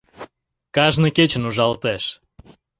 Кажне кечын ужалтеш.